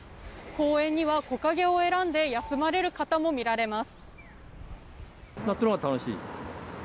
公園には木陰を選んで休まれる方も見られます。